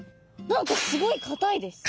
何かすごいかたいです